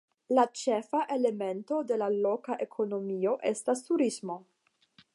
La ĉefa elemento de la loka ekonomio estas turismo.